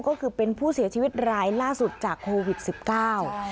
ก็คือเป็นผู้เสียชีวิตรายล่าสุดจากโควิดสิบเก้า